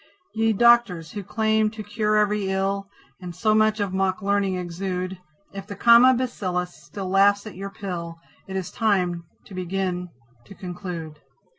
Ye Doctors, who claim to cure every ill, And so much of mock learning exude, If the Comma Bacillus still laughs at your pill, It is time to begin to conclude.